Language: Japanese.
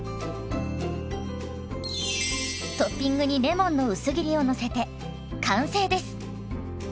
トッピングにレモンの薄切りをのせて完成です。